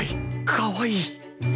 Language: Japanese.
かわいい！